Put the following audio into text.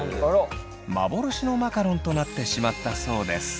幻のマカロンとなってしまったそうです。